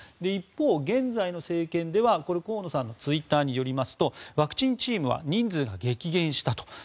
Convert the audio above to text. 一方、現在の政権では河野さんのツイッターによりますとワクチンチームは人数が激減したと。